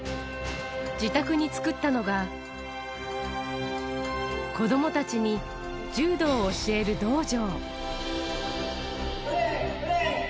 自宅に作ったのが、子どもたちに柔道を教える道場。